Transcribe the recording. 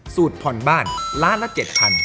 สูตรผ่อนบ้าน๑ล้านละ๗๐๐๐